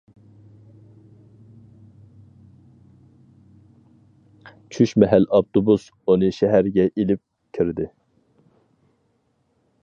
چۈش مەھەل ئاپتوبۇس ئۇنى شەھەرگە ئېلىپ كىردى.